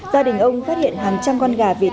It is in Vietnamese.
gia đình ông phát hiện hàng trăm con gà vịt